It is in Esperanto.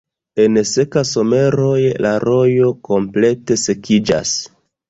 En seka someroj la rojo komplete sekiĝas.